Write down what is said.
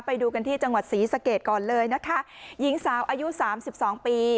ไปดูกันที่จังหวัดศรีสะเกดก่อนเลยนะคะหญิงสาวอายุสามสิบสองปี